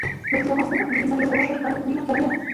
نورستان د افغانستان د اقلیمي نظام یو خورا ښه ښکارندوی دی.